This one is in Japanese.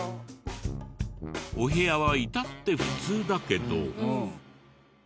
お部屋は至って普通だけど。